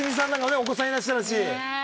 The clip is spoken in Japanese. お子さんいらっしゃるし。